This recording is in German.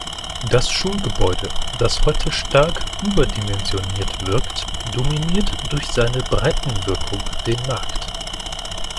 Das Schulgebäude, das heute stark überdimensioniert wirkt, dominiert durch seine Breitenwirkung den Markt.